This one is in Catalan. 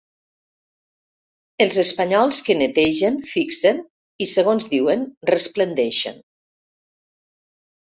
Els espanyols que netegen, fixen i, segons diuen, resplendeixen.